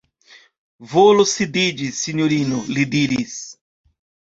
Volu sidiĝi, sinjorino, li diris.